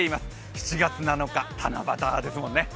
７月７日七夕ですもんね。